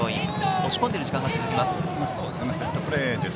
押し込んでいる時間が続きます。